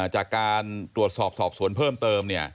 จากการตรวจสอบสอบสวนเพิ่มเติม